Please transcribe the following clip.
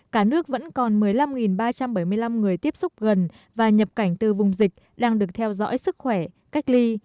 cả nước vẫn còn một mươi năm ba trăm bảy mươi năm người tiếp xúc gần và nhập cảnh từ vùng dịch đang được theo dõi sức khỏe cách ly